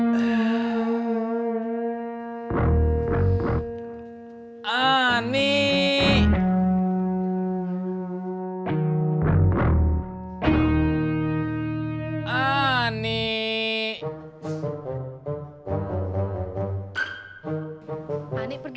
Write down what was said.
saya kagak berani nelpon